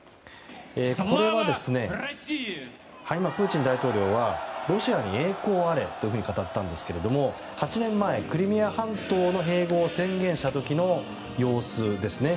こちら、プーチン大統領はロシアに栄光あれと語ったんですが８年前、クリミア半島の併合を宣言した時の様子です。